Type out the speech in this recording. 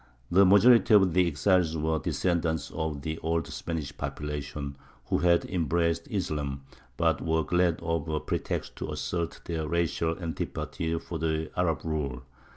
The majority of the exiles were descendants of the old Spanish population, who had embraced Islam, but were glad of a pretext to assert their racial antipathy for the Arab rule.